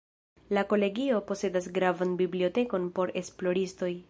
La Kolegio posedas gravan bibliotekon por esploristoj.